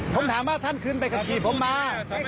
ผมถามว่าท่านขึ้นไปขับขี่ผมมา